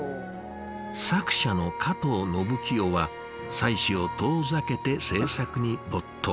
作者の加藤信清は妻子を遠ざけて制作に没頭。